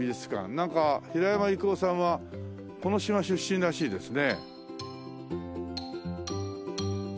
なんか平山郁夫さんはこの島出身らしいですね。